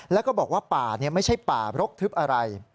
แล้วก็บอกว่าป่าไม่ใช่ป่ารกทึบอะไร